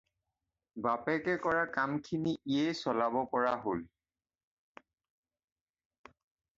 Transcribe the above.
বাপেকে কৰা কামখিনি ইয়েই চলাব পৰা হ'ল।